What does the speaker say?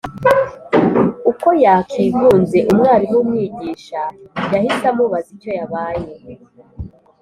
Uko yakigunze umwarimu umwigisha yahise amubaza icyo yabaye